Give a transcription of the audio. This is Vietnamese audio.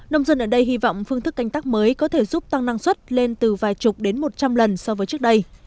nông dân ở đây hy vọng phương thức canh tác mới có thể giúp tăng năng suất lên từ vài chục đến một trăm linh lần so với trước đây